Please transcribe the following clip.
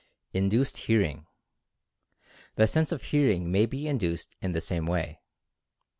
INDUCED HEARING. The sense of Hearing may be induced in the same way.